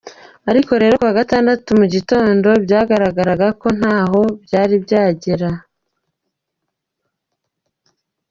Ariko rero kuwa gatandatu mu gitondo byagaragaraga ko ntaho byari byagera.